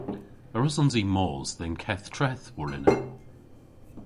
A wrussons i mos dhe'n keth treth warlena?